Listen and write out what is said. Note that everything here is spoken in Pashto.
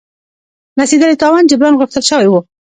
رسېدلي تاوان جبران غوښتل شوی وو.